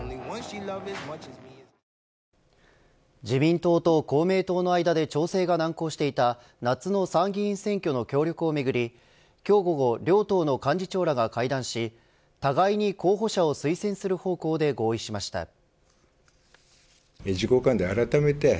自民党と公明党の間で調整が難航していた夏の参議院選挙の協力をめぐり今日午後、両党の幹事長らが会談し互いに候補者を推薦する方向で合意しました。